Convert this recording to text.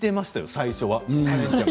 最初は。